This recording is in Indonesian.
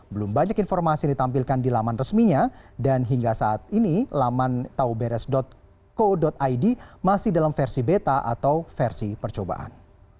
belum banyak informasi yang ditampilkan di laman resminya dan hingga saat ini laman tauberes co id masih dalam versi beta atau versi percobaan